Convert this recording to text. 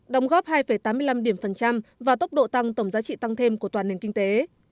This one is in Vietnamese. đồng góp hai tám mươi năm điểm phần trăm và tốc độ tăng tổng giá trị tăng thêm của toàn nền kinh tế